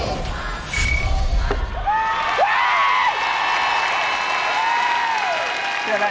ถูกกว่าถูกกว่าถูกกว่า